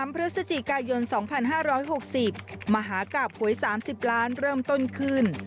พฤศจิกายน๒๕๖๐มหากราบหวย๓๐ล้านเริ่มต้นขึ้น